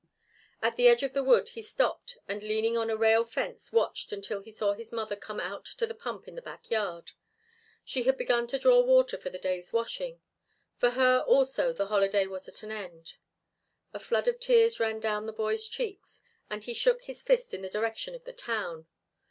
At the edge of the wood he stopped and leaning on a rail fence watched until he saw his mother come out to the pump in the back yard. She had begun to draw water for the day's washing. For her also the holiday was at an end. A flood of tears ran down the boy's cheeks, and he shook his fist in the direction of the town.